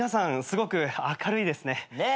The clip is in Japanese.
すごく明るいですね。ね。